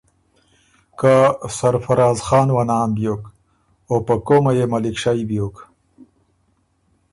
که سرفرازخان وه نام بیوک، او په قومه يې ملِکشئ بیوک۔